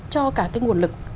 cho cả cái nguồn lực